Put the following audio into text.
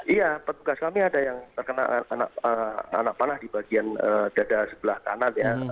iya petugas kami ada yang terkena anak panah di bagian dada sebelah kanan ya